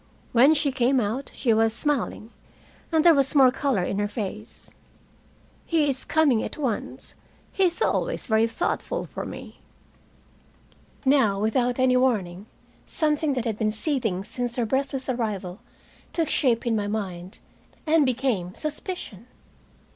When she came out, she was smiling, and there was more color in her face. "He is coming at once. He is always very thoughtful for me." Now, without any warning, something that had been seething since her breathless arrival took shape in my mind, and became suspicion.